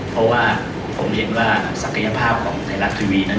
เพราะว่าผมเห็นว่าศักยภาพของไทยรัฐทีวีนั้น